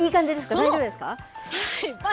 大丈夫ですか？